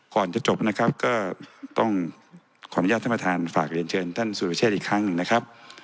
ก่อนจะจบนะครับก็ต้องขออนุญาตท่านประธานฝากเรียนเชิญท่านสุรเชษฐ์อีกครั้งหนึ่งนะครับ